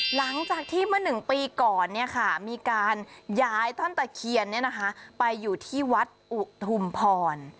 หลังจากที่เมื่อหนึ่งปีก่อนเนี่ยค่ะมีการย้ายต้นตะเคียนเนี่ยนะคะไปอยู่ที่วัดอุทุมพร